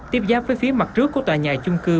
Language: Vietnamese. tiếp giáp với phía mặt trước của tòa nhà chung cư